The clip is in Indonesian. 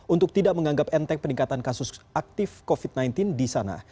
untuk tidak menganggap enteng peningkatan kasus aktif covid sembilan belas di sana